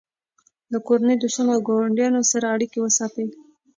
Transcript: له کورنۍ، دوستانو او ګاونډیانو سره اړیکې وساتئ.